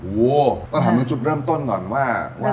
โอ้โหต้องถามถึงจุดเริ่มต้นก่อนว่า